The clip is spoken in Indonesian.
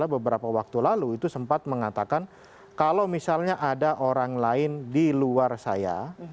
beberapa waktu lalu itu sempat mengatakan kalau misalnya ada orang lain di luar saya